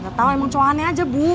gak tau emang cowok aneh aja bu